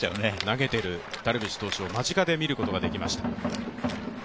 投げてるダルビッシュ投手を間近で見ることができました。